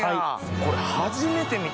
これ初めて見た。